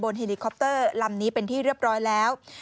เฮลิคอปเตอร์ลำนี้เป็นที่เรียบร้อยแล้ว